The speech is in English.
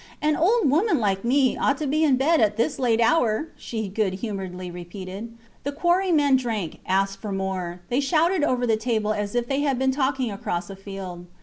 An old woman like me ought to be in bed at this late hour, she good humouredly repeated. The quarrymen drank, asked for more. They shouted over the table as if they had been talking across a field.